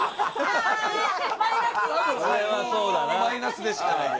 これはそうだなマイナスでしかない